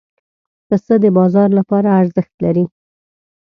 پسه د بازار لپاره ارزښت لري.